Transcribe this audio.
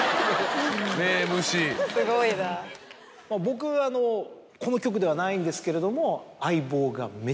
僕あのこの局ではないんですけれども。